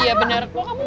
iya bener bu kamu